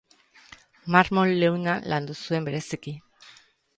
Marmol leuna landu zuen bereziki.